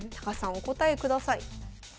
お答えください。